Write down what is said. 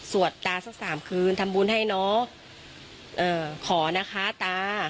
สวดตาสักสามคืนทำบุญให้น้อง